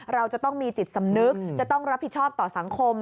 เราจะต้องมีจิตสำนึกจะต้องรับผิดชอบต่อสังคม